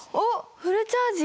フルチャージだ！